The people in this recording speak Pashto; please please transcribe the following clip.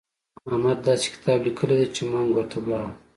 احمد داسې کتاب ليکلی دی چې منګ ورته ولاړم.